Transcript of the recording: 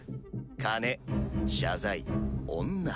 金謝罪女。